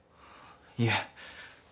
いえ。